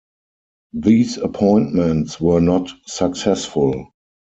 These appointments were not successful.